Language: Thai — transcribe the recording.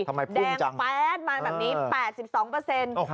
แดงแฟ้นมาแบบนี้๘๒